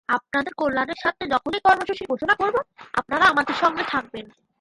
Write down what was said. আপনাদের কল্যাণের স্বার্থে যখনই কর্মসূচি ঘোষণা করব, আপনারা আমাদের সঙ্গে থাকবেন।